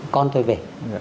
con tôi về